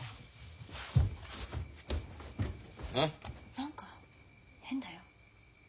何か変だよ。